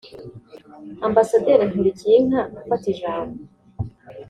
Ambasaderi Nkulikiyinka afata ijambo